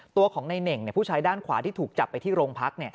ตัวของในเน่งผู้ชายด้านขวาที่ถูกจับไปที่โรงพัก